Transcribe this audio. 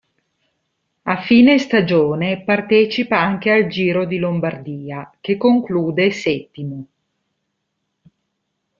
A fine stagione partecipa anche al Giro di Lombardia, che conclude settimo.